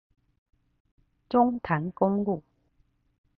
中潭公路